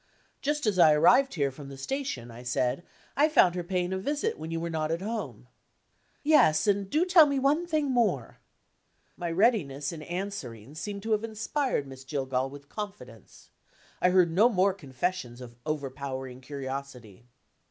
"Just as I arrived here from the station," I said, "I found her paying a visit when you were not at home." "Yes and do tell me one thing more." My readiness in answering seemed to have inspired Miss Jillgall with confidence. I heard no more confessions of overpowering curiosity.